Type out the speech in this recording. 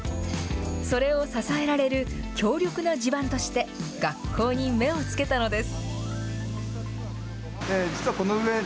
それを支えられる強力な地盤として、学校に目をつけたのです。